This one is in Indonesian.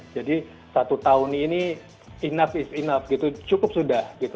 jadi satu tahun ini cukup sudah